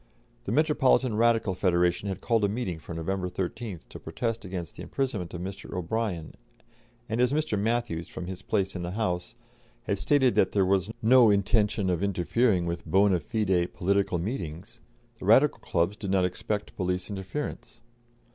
The Metropolitan Radical Federation had called a meeting for November 13th to protest against the imprisonment of Mr. O'Brien, and as Mr. Matthews, from his place in the House, had stated that there was no intention of interfering with bonâ fide political meetings, the Radical clubs did not expect police interference.